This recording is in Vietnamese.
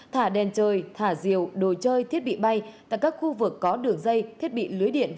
thả đèn trời thả diều đồ chơi thiết bị bay tại các khu vực có đường dây thiết bị lưới điện